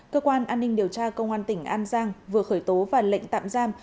cơ quan an ninh điều tra công an tỉnh an giang vừa khởi tố và lệnh tạm giam